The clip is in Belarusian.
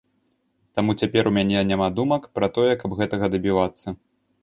Таму цяпер у мяне няма думак пра тое, каб гэтага дабівацца.